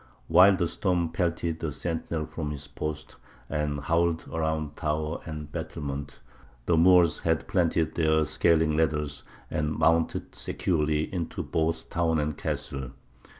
While the storm pelted the sentinel from his post and howled around tower and battlement, the Moors had planted their scaling ladders, and mounted securely into both town and castle.